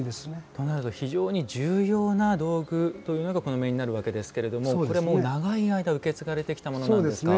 となると非常に重要な道具というのがこの面になるわけですがこれも長い間受け継がれてきたものなんですか。